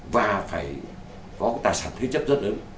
và phải có tài sản thế chất rất lớn